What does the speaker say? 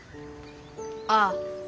ああ。